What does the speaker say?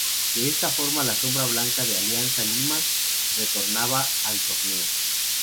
De esta forma "la sombra blanca de Alianza Lima" retornaba al torneo.